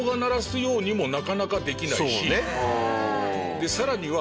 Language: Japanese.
でさらには。